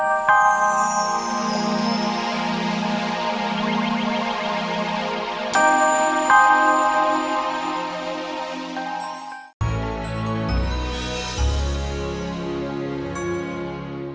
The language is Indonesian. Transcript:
aku mau berakhir seperti ini